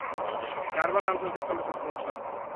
Durban আন্তর্জাতিক চলচ্চিত্র উৎসব